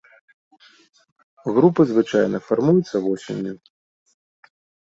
Групы звычайна фармуюцца восенню.